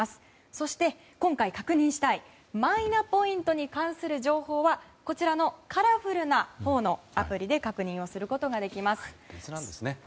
そして、今回確認したいマイナポイントに関する情報はこちらのカラフルなほうのアプリで確認をすることができます。